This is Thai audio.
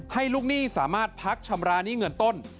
ลูกหนี้สามารถพักชำระหนี้เงินต้น